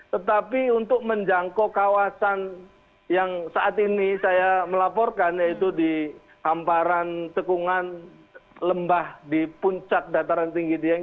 tetapi untuk menjangkau kawasan yang saat ini saya melaporkan yaitu di hamparan tekungan lembah di puncak dataran tinggi dieng